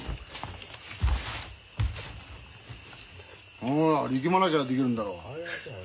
ほら力まなきゃできるんだろ。